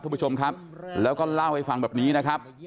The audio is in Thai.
คุณผู้ชมครับแล้วก็เล่าให้ฟังแบบนี้นะครับ